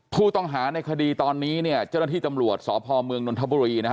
ผู้ต้องหารในคดีตอนนี้จริงที่ตำรวจสมนภัลโปรีนะฮะ